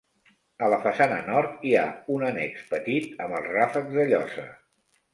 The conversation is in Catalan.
A la façana nord, hi ha un annex petit amb els ràfecs de llosa.